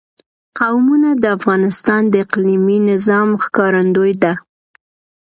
قومونه د افغانستان د اقلیمي نظام ښکارندوی ده.